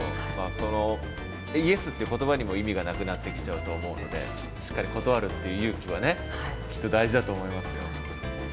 そのイエスっていう言葉にも意味がなくなってきちゃうと思うのでしっかり断るって勇気はねきっと大事だと思いますよ。